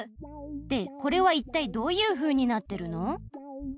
でこれはいったいどういうふうになってるの？